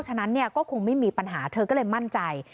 ฉะนั้นเนี่ยก็คงไม่มีปัญหาเธอก็เลยมั่นใจ